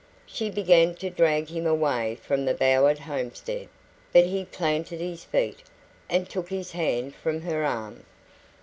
She began to drag him away from the bowered homestead, but he planted his feet, and took his hand from her arm.